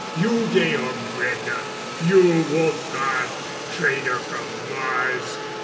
You, Georg Brende you, Wolfgar, traitor from Mars.